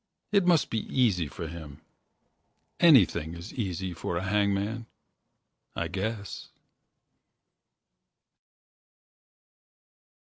It must be easy For him. Anything is easy for a hangman, I guess.